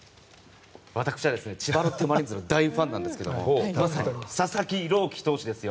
私は千葉ロッテマリーンズの大ファンなんですけど佐々木朗希投手ですよ。